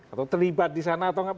atau terlibat di sebelumnya ini